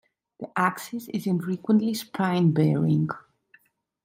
The axis is infrequently spine-bearing.